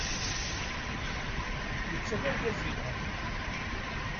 Netta d argaz yelhan.